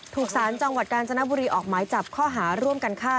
สารจังหวัดกาญจนบุรีออกหมายจับข้อหาร่วมกันฆ่า